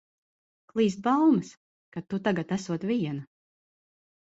Klīst baumas, ka tu tagad esot viena.